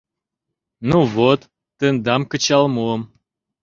— Ну вот, тендам кычал муым.